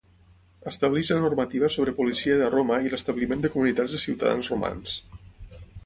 Estableix la normativa sobre policia de Roma i l'establiment de comunitats de ciutadans romans.